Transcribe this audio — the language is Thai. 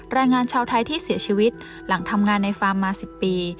แรงงานชาวไทยที่เสียชีวิตหลังทำงานในฟาร์มมา๑๐ปี